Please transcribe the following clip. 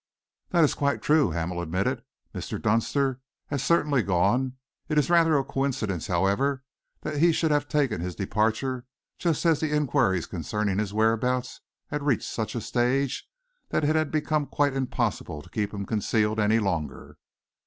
"That is quite true," Hamel admitted. "Mr. Dunster has certainly gone. It is rather a coincidence, however, that he should have taken his departure just as the enquiries concerning his whereabouts had reached such a stage that it had become quite impossible to keep him concealed any longer."